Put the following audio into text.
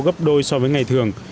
gấp đôi so với ngày thường